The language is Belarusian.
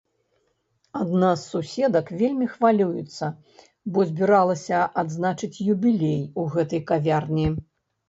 Адна з суседак вельмі хвалюецца, бо збіралася адзначаць юбілей у гэтай кавярні.